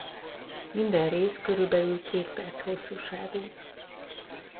Minden rész körülbelül két perc hosszúságú.